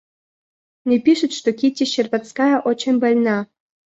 Мне пишут, что Кити Щербацкая очень больна.